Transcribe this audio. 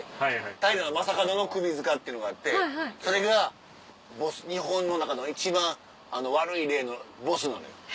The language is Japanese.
平将門の首塚っていうのがあってそれが日本の中の一番悪い霊のボスなのよ。